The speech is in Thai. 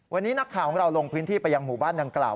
วันนี้นักข่าวของเราลงพื้นที่ไปยังหมู่บ้านดังกล่าว